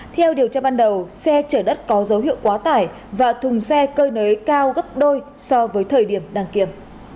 theo điều tra ban đầu xe chở đất có dấu hiệu quá tải và thùng xe cơi nới cao gấp đôi so với thời điểm đăng kiểm